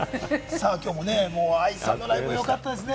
きょうもね、ＡＩさんのライブ良かったですね！